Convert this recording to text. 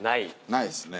ないですね。